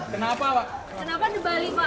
kenapa di bali pak